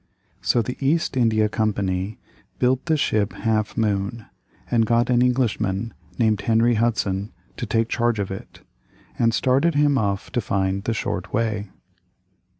So the East India Company built the ship Half Moon and got an Englishman named Henry Hudson to take charge of it, and started him off to find the short way.